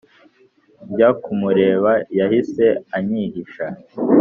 njya kumureba yahise anyihisha .